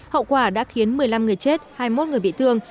hậu quả đã khiến một mươi năm người chết hai mươi một người bị thương